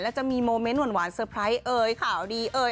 แล้วจะมีโมเมนต์หวานเซอร์ไพรส์เอ่ยข่าวดีเอ่ย